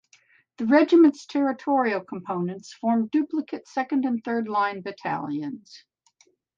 The regiment's territorial components formed duplicate second and third line battalions.